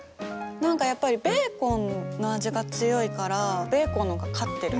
何かやっぱりベーコンの味が強いからベーコンの方が勝ってる。